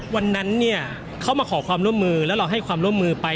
วันนั้นเนี่ยเขามาขอความร่วมมือแล้วเราให้ความร่วมมือไป